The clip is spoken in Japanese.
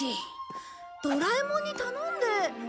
ドラえもんに頼んで。